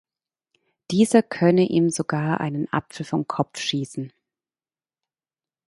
Dieser könne ihm sogar einen Apfel vom Kopf schießen.